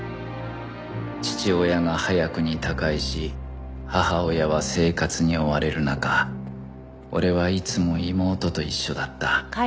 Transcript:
父親が早くに他界し母親は生活に追われる中俺はいつも妹と一緒だった